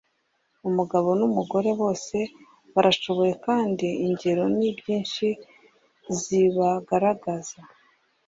umugabo n’umugore bose barashoboye kandi ingero ni nyinshi zibigaragaza